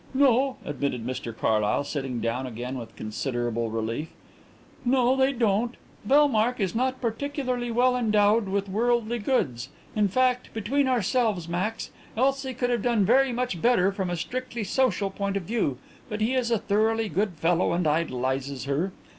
"No," admitted Mr Carlyle, sitting down again with considerable relief. "No, they don't. Bellmark is not particularly well endowed with worldly goods in fact, between ourselves, Max, Elsie could have done very much better from a strictly social point of view, but he is a thoroughly good fellow and idolizes her.